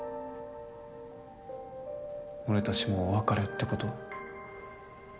俺たちもうお別れってこと？